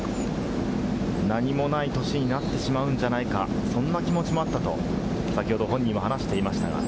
何もない年になってしまうんじゃないか、そんな気持ちもあったと、先ほど本人も話していました。